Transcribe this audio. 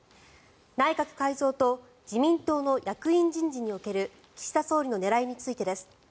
内閣改造と自民党の役員人事における岸田総理の狙いについてです。